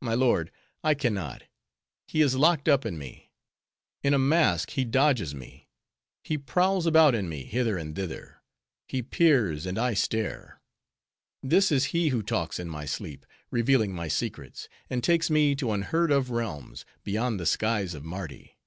"My lord, I can not. He is locked up in me. In a mask, he dodges me. He prowls about in me, hither and thither; he peers, and I stare. This is he who talks in my sleep, revealing my secrets; and takes me to unheard of realms, beyond the skies of Mardi.